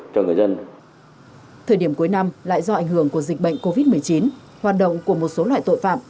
thời điểm cuối năm lại do ảnh hưởng của dịch bệnh covid một mươi chín hoạt động của một số loại tội phạm